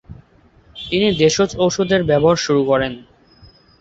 তিনি দেশজ ওষুধের ব্যবহার শুরু করেন।